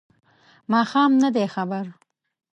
ماښام نه دی خبر